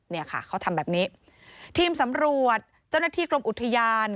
เนี่ยค่ะเขาทำแบบนี้ทีมสำรวจเจ้าหน้าที่กรมอุทยาน